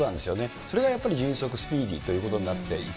それがやっぱり迅速、スピーディーということになっていく。